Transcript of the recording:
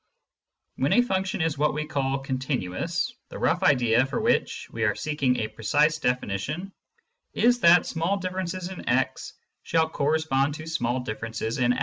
When a function is what we call " continuous," the rough idea for which we are seeking a precise definition is that small differences in x shall correspond to small differences vo.